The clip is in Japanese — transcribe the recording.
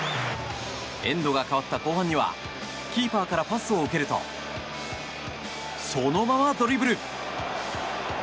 エンドが変わった後半にはキーパーからパスを受けるとそのままドリブル。